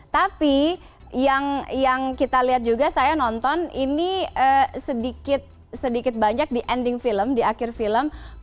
tapi yang kita lihat juga saya nonton ini sedikit banyak di ending film di akhir film